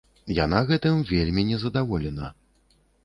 Яна гэтым вельмі незадаволена.